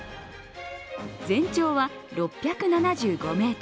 全長は６７５ｍ。